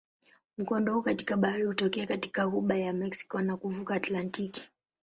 Mkondo huu katika bahari hutokea katika ghuba ya Meksiko na kuvuka Atlantiki.